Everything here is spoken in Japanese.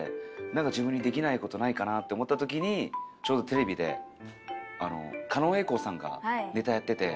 なんか自分にできない事ないかなって思った時にちょうどテレビで狩野英孝さんがネタやってて。